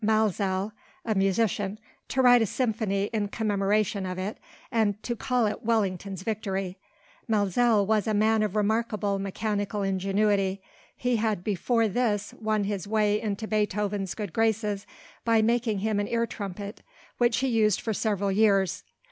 Maelzel, a musician, to write a symphony in commemoration of it, and to call it "Wellington's Victory." Maelzel was a man of remarkable mechanical ingenuity. He had before this won his way into Beethoven's good graces by making him an ear trumpet, which he used for several years.